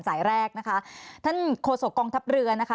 สายแรกนะคะท่านโฆษกองทัพเรือนะคะ